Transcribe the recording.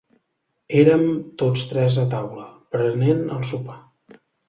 Érem tots tres a taula, prenent el sopar.